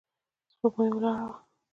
سپوږمۍ ولاړه وه.